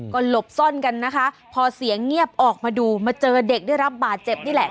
ก็หลบซ่อนกันนะคะพอเสียงเงียบออกมาดูมาเจอเด็กได้รับบาดเจ็บนี่แหละ